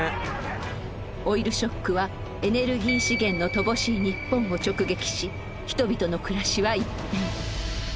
オイルショックはエネルギー資源の乏しい日本を直撃し人々の暮らしは一変。